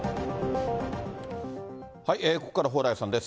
ここからは蓬莱さんです。